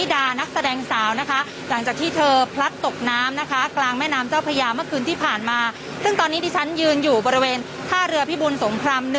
ด้านหลังตอนนี้นะคะ